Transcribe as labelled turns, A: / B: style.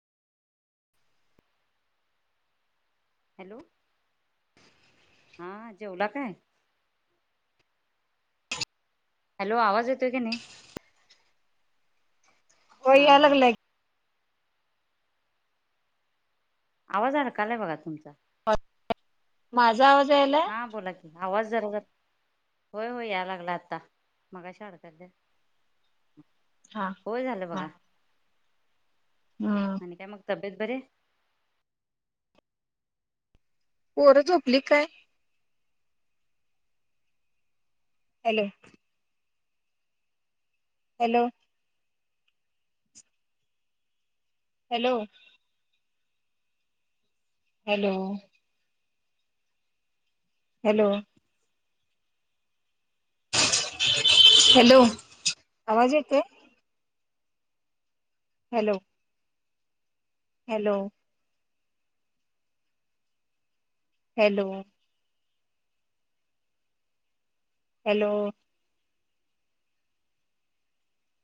A: Hello हा जेवला काय हॅलो आवाज येतो कायनाही
B: होय याय लागलाय
A: आवाज अडकालय बघा तुमचा
B: माझा आवाज यायला
A: हा बोला की आवाज जरा होय होय या लागलाय आता मगाशी अलता की
B: हा
A: होय झालं
B: हा
A: बघा.
B: हम्म
A: आणि काय मग तब्येत बरी आहे
B: पोर झोपली काय? Hello hello hello hello hello hello आवाज येतोय. Hello hello hello.. hello...